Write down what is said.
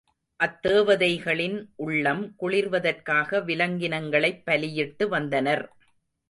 அத்தேவதைகளின் உள்ளம் குளிர்வதற்காக விலங்கினங்களைப் பலியிட்டு வந்தனர்.